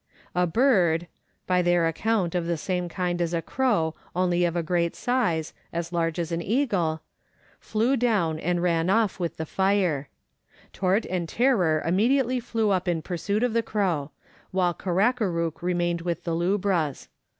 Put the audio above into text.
A bird (by their account of the same kind as a 88 Letters from Victorian Pioneers. crow, only of a great size as large as an eagle) flew down and ran off with the fire. Tourt and Tarrer immediately flew up in pur suit of the crow, while Karakarook remained with the lubras.